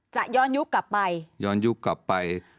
จะย้อนยุคกลับไป